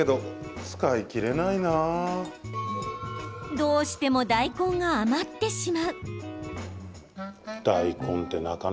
どうしても大根が余ってしまう。